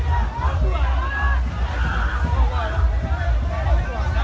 มันอาจจะไม่เอาเห็น